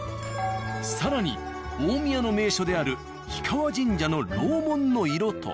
更に大宮の名所である氷川神社の楼門の色と